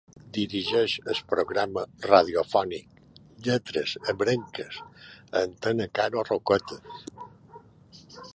Dirigeix el programa radiofònic Lletres Ebrenques a Antena Caro Roquetes.